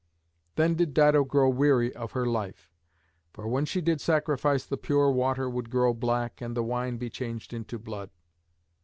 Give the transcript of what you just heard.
Then did Dido grow weary of her life. For when she did sacrifice the pure water would grow black and the wine be changed into blood.